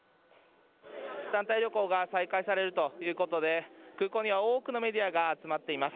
団体旅行が再開されるということで、空港には多くのメディアが集まっています。